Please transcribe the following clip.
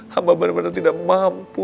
haba benar benar tidak mampu